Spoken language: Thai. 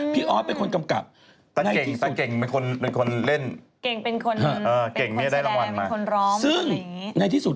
พี่ออสเป็นคนกำกับในที่สุข